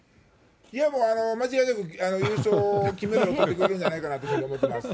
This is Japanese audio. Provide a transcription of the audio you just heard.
いや、もう間違いなく優勝、金メダルをとってくれるんじゃないかと僕は思ってます。